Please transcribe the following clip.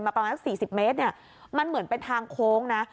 ประมาณสัก๔๐เมตรเนี่ยมันเหมือนเป็นทางโค้งนะ